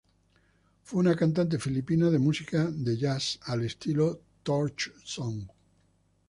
Fue una cantante filipina de música jazz al estilo Torch song.